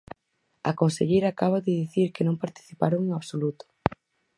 A conselleira acaba de dicir que non participaron en absoluto.